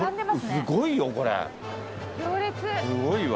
すごいわ。